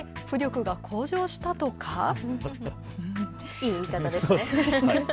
いい言い方ですね。